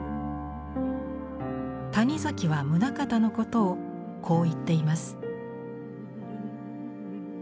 谷崎は棟方のことをこう言っています。